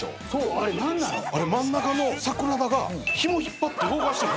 あれ真ん中の櫻田がひも引っ張って動かしてる。